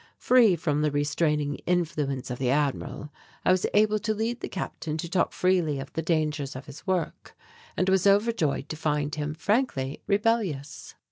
Free from the restraining influence of the Admiral, I was able to lead the Captain to talk freely of the dangers of his work, and was overjoyed to find him frankly rebellious.